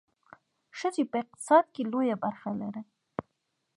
ښځې په اقتصاد کې لویه برخه لري.